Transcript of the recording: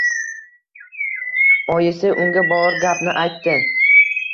Oyisi unga bor gapni aytdi